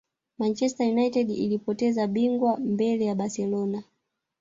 Manchester United ilipoteza bingwa mbele ya barcelona